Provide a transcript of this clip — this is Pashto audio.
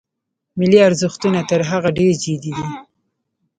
ملي ارزښتونه تر هغه ډېر جدي دي.